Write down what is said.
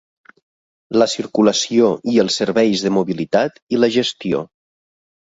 La circulació i els serveis de mobilitat i la gestió...